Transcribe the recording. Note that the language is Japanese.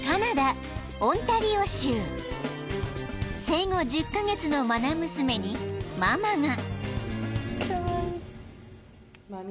［生後１０カ月の愛娘にママが］